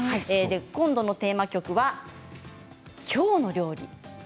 今度のテーマ曲は「きょうの料理」